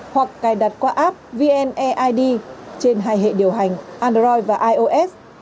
hoặc cài đặt qua app vneid trên hai hệ điều hành android và ios